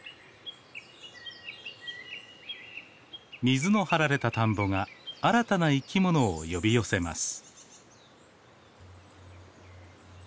水の張られた田んぼが新たな生きものを呼び寄せます。